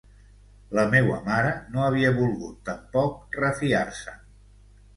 La meua mare no havia volgut tampoc refiar-se'n...